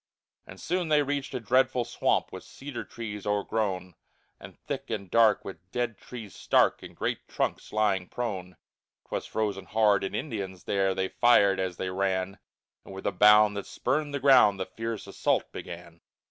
And soon they reached a dreadful swamp, With cedar trees o'ergrown, And thick and dark with dead trees stark And great trunks lying prone. 'Twas frozen hard, and Indians there! They fired as they ran, And with a bound that spurned the ground, The fierce assault began.